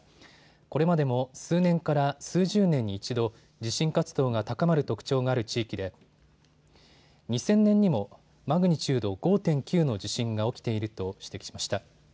これまでも数年から数十年に一度地震活動が高まる特徴がある地域で２０００年にもマグニチュード５．９の地震が起きていると指摘しました。